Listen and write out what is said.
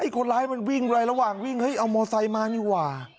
คนร้ายมันวิ่งไประหว่างวิ่งเฮ้ยเอามอไซค์มานี่หว่า